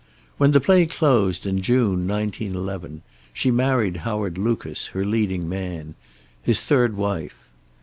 When the play closed, in June, 1911, she married Howard Lucas, her leading man; his third wife.